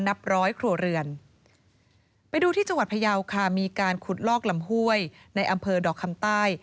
นับร้อยครัวเรือนไปดูที่จังหวัดพยาวค่ะมีการขุดลอกลำห้วยในอำเภอดอกคำใต้